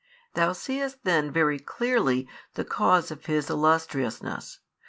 Thou seest then very clearly the cause of his illustriousness.